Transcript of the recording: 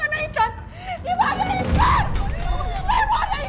kok bisa tintan gak ada disini